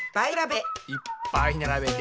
いっぱい並べて。